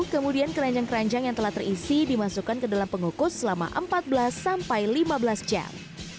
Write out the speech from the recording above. kemudian keranjang keranjang yang telah terisi dimasukkan ke dalam pengukus selama empat belas sampai lima belas jam